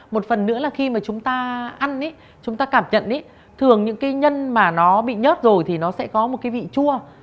một phần nữa là khi mà chúng ta ăn chúng ta cảm nhận thường những cái nhân mà nó bị nhớt rồi thì nó sẽ có một cái vị chua